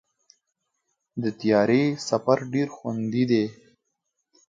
د طیارې سفر ډېر خوندي دی.